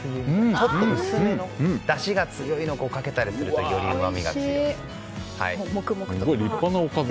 ちょっと薄めのだしが強いものをかけたりするとすごい立派なおかず。